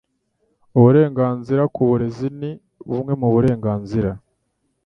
Uburenganzira ku burezi ni bumwe mu burenganzira